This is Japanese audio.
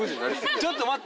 ちょっと待って。